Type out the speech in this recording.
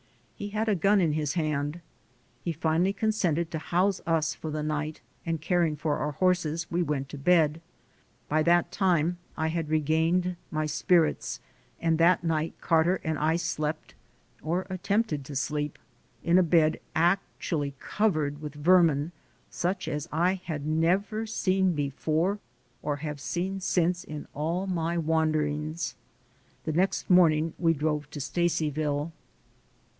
He had a gun in his hand. He finally consented to house us for the night, and caring for our horses, we went to bed. By that time I had regained my spirits, and that night Carter and I slept, or attempted to sleep, in a bed actually covered with vermin, such as I had never seen before or have seen since in all my wanderings. The next morning we drove to Stacy ville.